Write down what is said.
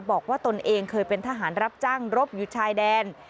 บอกว่าตนเองเกินเป็นทหารรับจั้งรบหยุดชายแดน